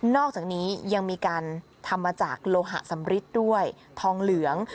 อกจากนี้ยังมีการทำมาจากโลหะสำริดด้วยทองเหลือง